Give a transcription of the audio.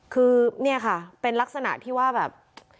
คือเนี่ยค่ะเป็นลักษณะที่ว่าแบบ